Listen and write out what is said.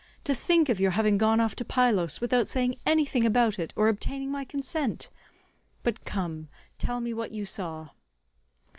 To think of your having gone off to Pylos without saying anything about it or obtaining my consent. But come, tell me what you saw."